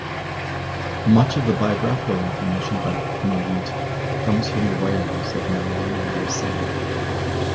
Much of the biographical information about Mauduit comes from the writings of Marin Mersenne.